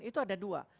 itu ada dua